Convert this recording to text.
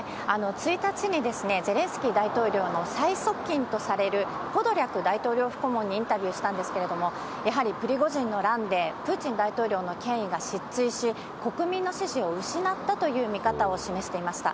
１日にゼレンスキー大統領の最側近とされるポドリャク大統領顧問にインタビューしたんですけれども、やはりプリゴジンの乱で、プーチン大統領の権威が失墜して、国民の支持を失ったという見方を示していました。